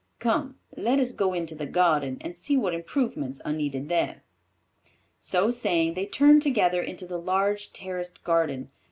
Come, let us go into the garden and see what improvements are needed there." So saying, they turned together into the large terraced garden.